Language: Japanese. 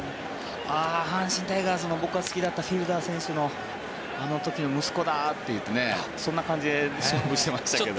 ああ、阪神タイガースの僕の好きだったフィルダー選手のあの時の息子だといってそんな感じで勝負してましたけど。